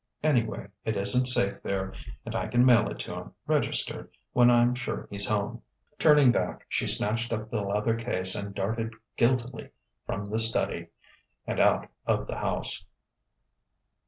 "Anyway, it isn't safe, there. And I can mail it to him, registered, when I'm sure he's home." Turning back, she snatched up the leather case and darted guiltily from the study and out of the house.